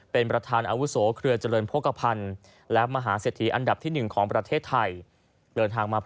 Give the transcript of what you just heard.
เป็นประธานอาวุโสเครือเจริญโภคภัณฑ์และมหาเศรษฐีอันดับที่๑ของประเทศไทย